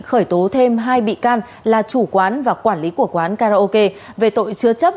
khởi tố thêm hai bị can là chủ quán và quản lý của quán karaoke về tội chứa chấp